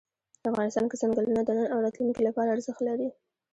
افغانستان کې ځنګلونه د نن او راتلونکي لپاره ارزښت لري.